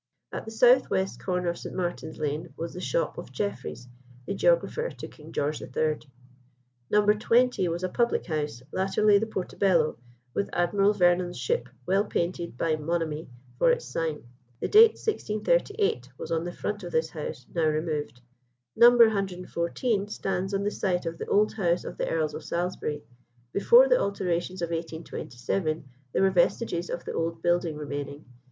At the south west corner of St. Martin's Lane was the shop of Jefferys, the geographer to King George III. No. 20 was a public house, latterly the Portobello, with Admiral Vernon's ship, well painted by Monamy, for its sign. The date, 1638, was on the front of this house, now removed. No. 114 stands on the site of the old house of the Earls of Salisbury. Before the alterations of 1827 there were vestiges of the old building remaining.